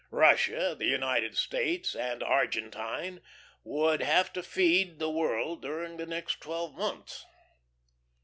Russia, the United States, and Argentine would have to feed the world during the next twelve months.